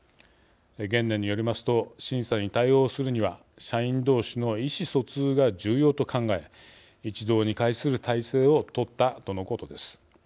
原燃によりますと審査に対応するには社員同士の意思疎通が重要と考え一堂に会する体制を取ったとのことです。